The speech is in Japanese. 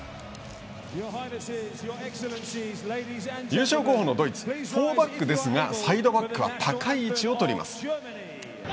優勝候補のドイツフォーバックですがサイドバックは高い位置をとります。